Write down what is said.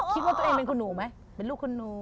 คิดว่าตัวเองเป็นคุณหนูไหมเป็นลูกคุณหนู